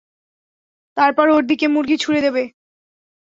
তারপর ওর দিকে মুরগি ছুঁড়ে দেবে।